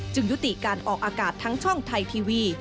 ยุติการออกอากาศทั้งช่องไทยทีวี